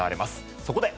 そこで。